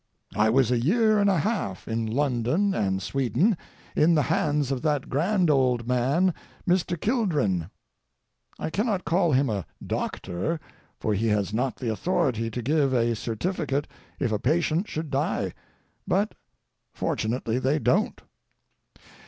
I was a year and a half in London and Sweden, in the hands of that grand old man, Mr. Kildren. I cannot call him a doctor, for he has not the authority to give a certificate if a patient should die, but fortunately they don't.